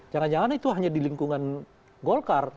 jangan jangan itu hanya di lingkungan golkar